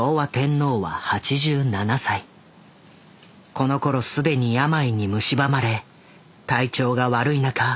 このころ既に病にむしばまれ体調が悪い中公務に臨んでいた。